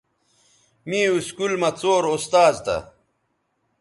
می اسکول مہ څور استاذ تھہ